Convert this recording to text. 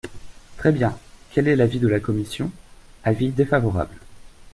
Très bien ! Quel est l’avis de la commission ? Avis défavorable.